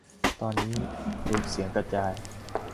ตอนนี้ ดูดเสียงกระจาย